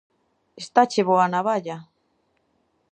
Estache boa a navalla!